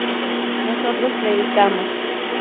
nosotros predicamos